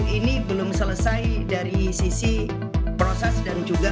ini belum selesai dari sisi proses dan juga